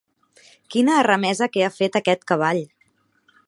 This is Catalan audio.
Quina arremesa que ha fet, aquest cavall.